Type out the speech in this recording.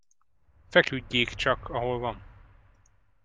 Feküdjék csak, ahol van!